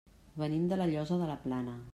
Venim de La Llosa de la Plana.